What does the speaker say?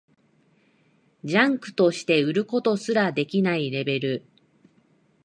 ジャンクとして売ることすらできないレベル